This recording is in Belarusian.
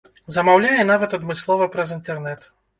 Замаўляе нават адмыслова праз інтэрнэт.